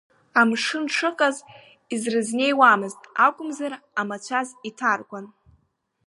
Амшын шыҟаз изрызнеиуамызт акәымзар, амацәаз иҭаркуан.